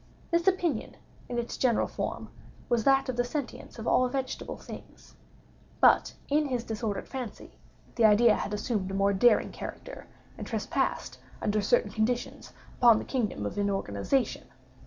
This opinion, in its general form, was that of the sentience of all vegetable things. But, in his disordered fancy, the idea had assumed a more daring character, and trespassed, under certain conditions, upon the kingdom of inorganization.